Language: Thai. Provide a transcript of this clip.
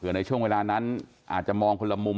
ในช่วงเวลานั้นอาจจะมองคนละมุม